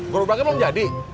gorobaknya belum jadi